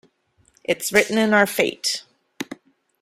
Its written in our fate.